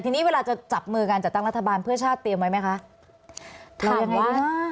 ที่เวลาจะจับมือกันจัดตั้งรัฐบาลเพื่อชาติเตรียมไว้ไหมคะ